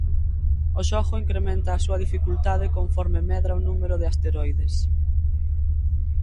O xogo incrementa a súa dificultade conforme medra o número de asteroides.